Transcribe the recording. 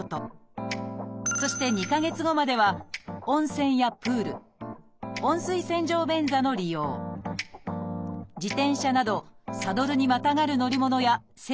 そして２か月後までは温泉やプール温水洗浄便座の利用自転車などサドルにまたがる乗り物や性行為も避けます。